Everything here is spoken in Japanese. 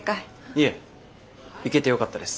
いえ行けてよかったです。